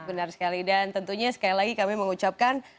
benar sekali dan tentunya sekali lagi kami mengucapkan